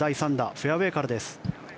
フェアウェーからです。